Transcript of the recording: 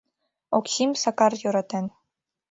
Оксим Сакар йӧратен.